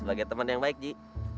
sebagai teman yang baik ji